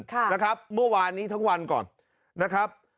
ค่ะนะครับเมื่อวานนี้ทั้งวันก่อนนะครับ